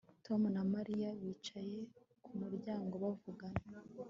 Tom na Mariya bicaye ku muryango bavugana